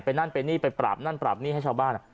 นั่นไปนี่ไปปราบนั่นปราบหนี้ให้ชาวบ้าน